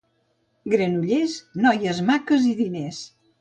Granollers, noies maques i diners.